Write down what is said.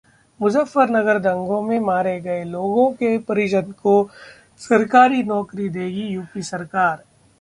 मुजफ्फरनगर दंगों में मारे गए लोगों के परिजन को सरकारी नौकरी देगी यूपी सरकार